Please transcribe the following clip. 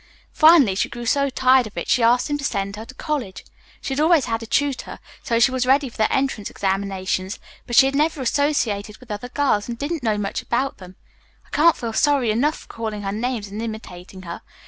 Finally, she grew so tired of it she asked him to send her to college. She had always had a tutor, so she was ready for the entrance examinations, but she had never associated with other girls and didn't know much about them. I can't feel sorry enough for calling her names and imitating her.